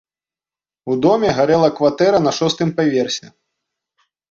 У доме гарэла кватэра на шостым паверсе.